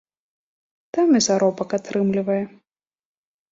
Там і заробак атрымлівае.